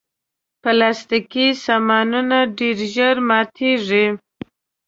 پلاستيکي سامانونه ډېر ژر ماتیږي.